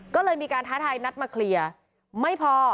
ก็เลยมีการท้าทายนัดมาเคลียร์ไม่พอ